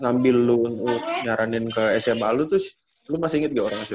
ngambil lu nyaranin ke sma lu tuh lu masih inget gak orang asal